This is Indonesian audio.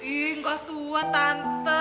ii gak tua tante